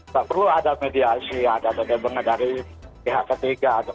gak perlu ada mediasi ada ada yang mengadari pihak ketiga